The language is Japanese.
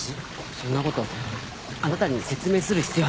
そんなことあなたに説明する必要はないでしょう！